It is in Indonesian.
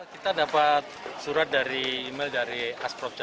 kita dapat surat dari email dari asprov